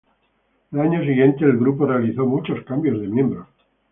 El año siguiente, el grupo realizó muchos cambios de miembros.